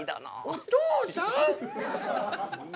お父さん！